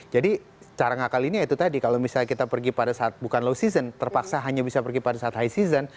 jadi cara ngakalinnya itu tadi kalau misalnya kita pergi pada saat bukan low season terpaksa hanya bisa pergi pada saat high season